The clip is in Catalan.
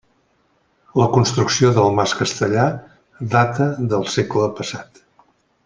La construcció del Mas Castellar data del segle passat.